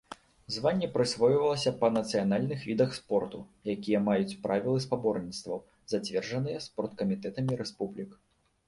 Званне прысвойвалася па нацыянальных відах спорту, якія маюць правілы спаборніцтваў, зацверджаныя спорткамітэтамі рэспублік.